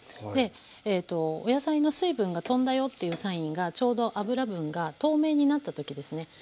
でお野菜の水分がとんだよっていうサインがちょうど油分が透明になった時ですね。